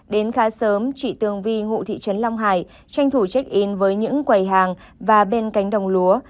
đến khá sớm chị tương vi ngụ thị trấn long hải tranh thủ check in với những quầy hàng và bên cánh đồng lúa